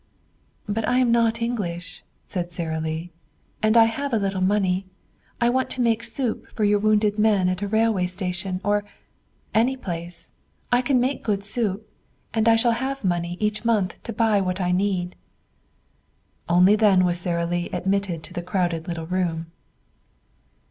"But I am not English," said Sara Lee. "And I have a little money. I want to make soup for your wounded men at a railway station or any place. I can make good soup. And I shall have money each month to buy what I need." Only then was Sara Lee admitted to the crowded little room.